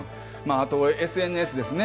あとはＳＮＳですね。